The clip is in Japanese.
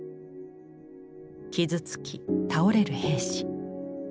傷つき倒れる兵士。